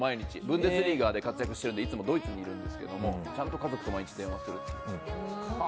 ブンデスリーガで活躍してるのでいつもドイツにいるんですけどちゃんと家族と毎日電話すると。